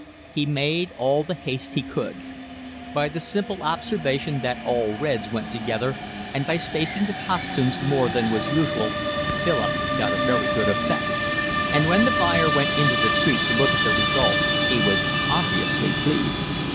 He made all the haste he could. By the simple observation that all reds went together, and by spacing the costumes more than was usual, Philip got a very good effect; and when the buyer went into the street to look at the result he was obviously pleased.